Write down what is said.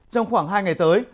trong khoảng hai ngày tới